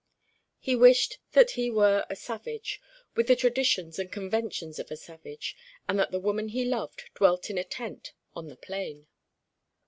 He wished that he were a savage, with the traditions and conventions of a savage, and that the woman he loved dwelt in a tent on the plain.